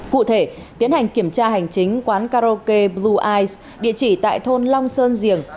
cụ thể tiến hành kiểm tra hành chính quán karaoke blue eyes địa chỉ tại thôn long sơn diềng